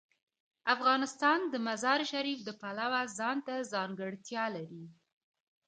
افغانستان د مزارشریف د پلوه ځانته ځانګړتیا لري.